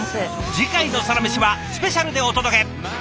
次回の「サラメシ」はスペシャルでお届け！